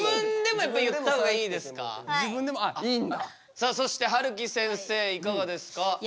さあそしてはるきせんせいいかがですか？